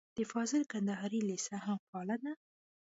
د فاضل کندهاري لېسه هم فعاله ده.